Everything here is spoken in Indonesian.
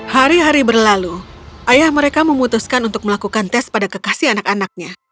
hari hari berlalu ayah mereka memutuskan untuk melakukan tes pada kekasih anak anaknya